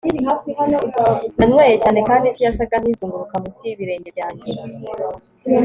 nanyweye cyane kandi isi yasaga nkizunguruka munsi y'ibirenge byanjye